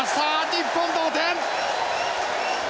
日本同点！